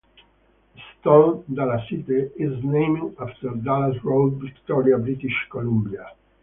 The stone dallasite is named after Dallas Road, Victoria, British Columbia.